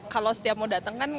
kalau setiap mau datang kan